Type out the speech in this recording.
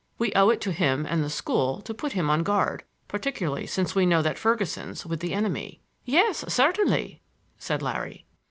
We owe it to him and the school to put him on guard, particularly since we know that Ferguson's with the enemy." "Yes, certainly," said Larry.